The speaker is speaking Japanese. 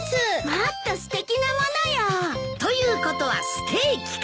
もっとすてきな物よ。ということはステーキか！